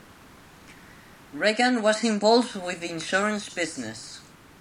Regan was involved with the insurance business.